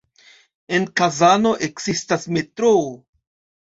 En Kazano ekzistas metroo.